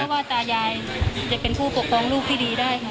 เชื่อว่าตายายจะเป็นผู้ปกป้องลูกที่ดีได้ครับ